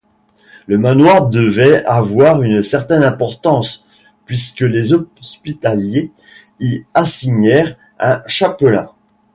Le manoir devait avoir une certaine importance puisque les Hospitaliers y assignèrent un chapelain.